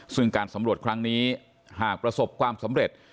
ซึ่งการสำรวจครั้งนี้หากประสบความสำเร็จ